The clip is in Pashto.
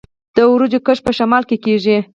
د وریجو کښت په شمال کې کیږي.